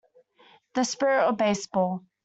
The Spirit of Baseball.